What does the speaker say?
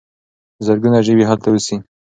زرګونه ژوي هلته اوسي.